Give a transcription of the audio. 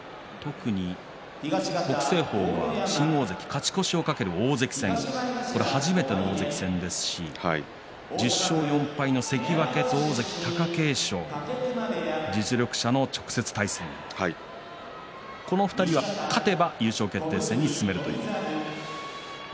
特に北青鵬は新大関、勝ち越しを懸ける初めての大関戦ですし１０勝４敗の関脇と大関貴景勝実力者の直接対戦この２人が勝てば優勝決定戦に進むことになります。